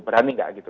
berani gak gitu